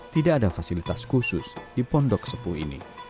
tidak ada fasilitas khusus di pondok sepuh ini